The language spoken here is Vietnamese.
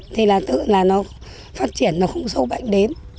thì là tự là nó phát triển nó không sâu bệnh đến